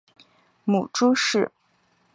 母朱氏。